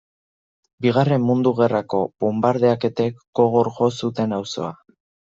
Bigarren Mundu Gerrako bonbardaketek gogor jo zuten auzoa.